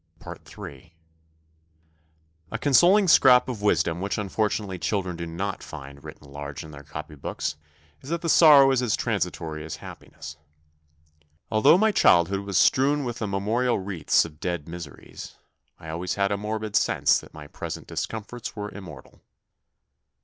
Ill A consoling scrap of wisdom which unfortu nately children do not find written large in their copybooks is that sorrow is as transitory as happiness. Although my child hood was strewn with the memorial wreaths of dead miseries, I always had a morbid sense that my present discomforts were immortal.